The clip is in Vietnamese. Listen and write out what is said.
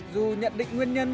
dù nhận định nguyên nhân